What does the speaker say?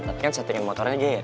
tapi kan settingan motornya gyer